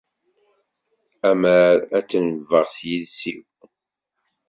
Ammar ad denbeɣ s yiles-iw.